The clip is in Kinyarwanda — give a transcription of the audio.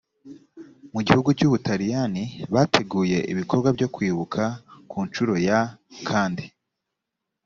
mu gihugu cy u butaliyani bateguye ibikorwa byo kwibuka ku nshuro ya kandi